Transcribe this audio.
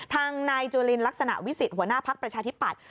ทางนายจุลินลักษณะวิสิทธิหัวหน้าพักประชาธิปัตย